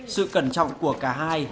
sự cẩn trọng của cả hai